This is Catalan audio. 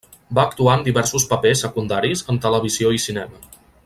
Va actuar en diversos papers secundaris en televisió i cinema.